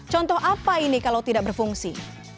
contoh apa ini kalau tidak berfungsi